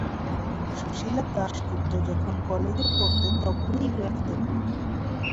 সুশীলা দাশগুপ্ত যখন কলেজে পড়তেন তখনই গ্রেপ্তার হন।